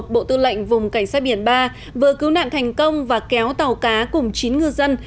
bộ tư lệnh vùng cảnh sát biển ba vừa cứu nạn thành công và kéo tàu cá cùng chín ngư dân